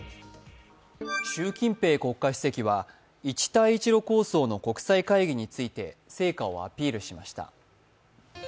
習近平国家主席は一帯一路構想の国際会議について成果をアピールしました。